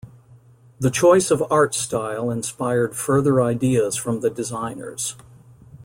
The choice of art style inspired further ideas from the designers.